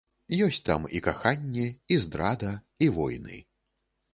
Есць там і каханне, і здрада, і войны.